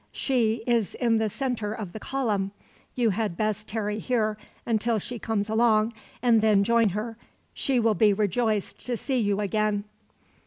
She is in the center of the column. You had best tarry here until she comes along, and then join her. She will be rejoiced to see you again."